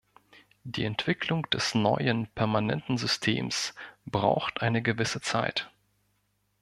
Die Entwicklung des neuen permanenten Systems braucht eine gewisse Zeit.